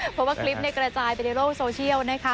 เพราะว่าคลิปกระจายไปในโลกโซเชียลนะคะ